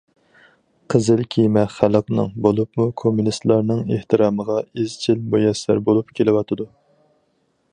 قىزىل كېمە خەلقنىڭ، بولۇپمۇ كوممۇنىستلارنىڭ ئېھتىرامىغا ئىزچىل مۇيەسسەر بولۇپ كېلىۋاتىدۇ.